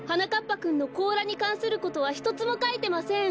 ぱくんのこうらにかんすることはひとつもかいてません。